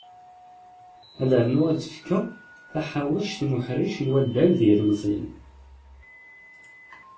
Ad d-rnuɣ ad d-fkeɣ taḥawact n uḥric n waddal d yilmeẓyen.